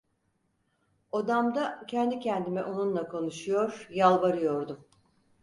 Odamda kendi kendime onunla konuşuyor, yalvarıyordum.